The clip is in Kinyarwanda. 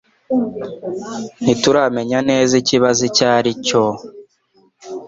Ntituramenya neza ikibazo icyo ari cyo.